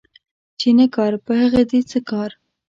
چي نه کار ، په هغه دي څه کار